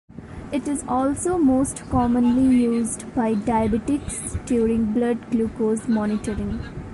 It is also most commonly used by diabetics during blood glucose monitoring.